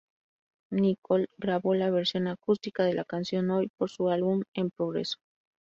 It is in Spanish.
Nicole grabó la versión acústica de la canción "Hoy" por su álbum en progreso.